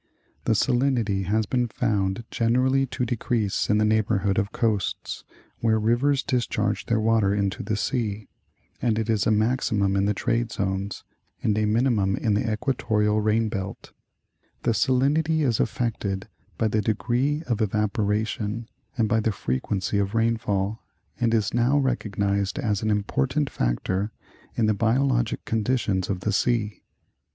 The salinity has been found generally to decrease in the neighborhood of coasts, where rivers discharge their water into the sea, and it is a maximum in the trade zones, and a minimum in the equatorial rain belt. The salinity is 12 148 National GeograjpTiic Magazine. affected by the degree of evaporation and by the frequency of rainfall, and is now recognized as an important factor in the bio logic conditions of the sea.